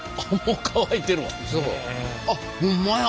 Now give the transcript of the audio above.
あっほんまや！